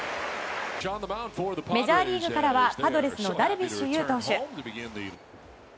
メジャーリーグからはパドレスのダルビッシュ有投手。